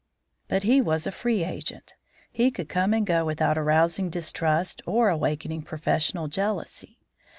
But he was a free agent; he could come and go without arousing distrust or awakening professional jealousy.